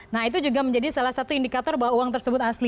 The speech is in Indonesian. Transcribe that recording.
nah itu juga menjadi salah satu indikator bahwa uang tersebut asli